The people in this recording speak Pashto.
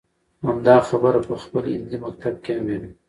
همدا خبره په خپل هندي مکتب کې هم وينو.